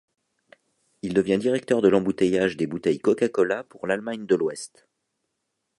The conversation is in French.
Il devient directeur de l'embouteillage des bouteilles Coca-Cola pour l'Allemagne de l'Ouest.